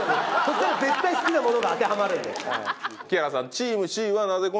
したら絶対好きなものが当てはまるんで木原さん